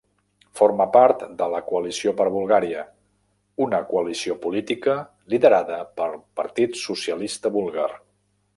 Forma part de la Coalició per Bulgària, una coalició política liderada pel Partit Socialista Búlgar.